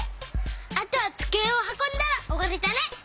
あとはつくえをはこんだらおわりだね！